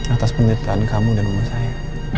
atas penyertaan kamu dan umat saya